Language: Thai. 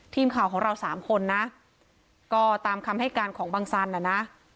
ทีมข่าวของเราสามคนนะก็ตามคำให้การของบังสันนะนะ